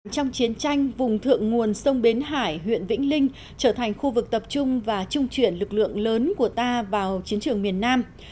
trong chiến tranh vùng thượng nguồn sông bến hải huyện vĩnh linh trở thành khu vực tập trung và trung chuyển lực lượng lớn của ta vào chiến trường miền nam